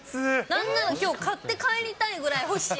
何なら、きょう買って帰りたいぐらい欲しい。